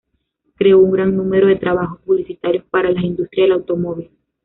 Creó un gran número de trabajos publicitarios para la industria del automóvil.